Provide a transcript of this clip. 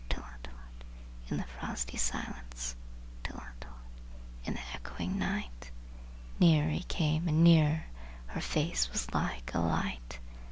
Tlot tlot, in the frosty silence! Tlot tlot, in the echoing night! Nearer he came and nearer! Her face was like a light!